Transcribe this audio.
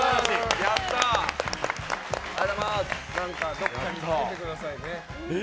どこかにつけてくださいね。